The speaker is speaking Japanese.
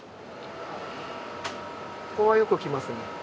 ここはよく来ますね。